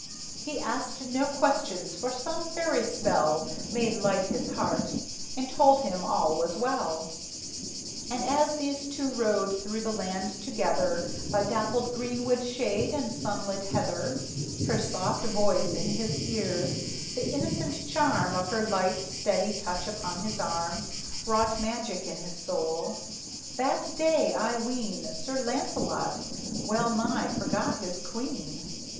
He asked no questions for some fairy spell Made light his heart, and told him all was well; And as these two rode through the land together, By dappled greenwood shade and sunlit heather, Her soft voice in his ears, the innocent charm Of her light, steady touch upon his arm, Wrought magic in his soul. That day, I ween, Sir Launcelot well nigh forgot his queen.